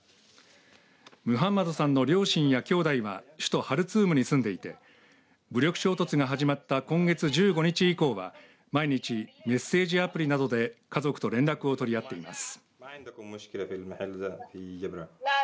ムハンマドさんの両親や兄弟は首都ハルツームに住んでいて武力衝突が始まった今月１５日以降は毎日メッセージアプリなどで家族と連絡を取り合っています。